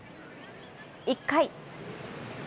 １回。